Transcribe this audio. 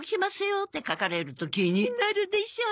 よって書かれると気になるでしょ？